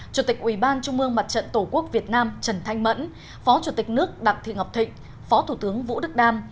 chủ tịch ubnd tổ quốc việt nam trần thanh mẫn phó chủ tịch nước đặc thị ngọc thịnh phó thủ tướng vũ đức đam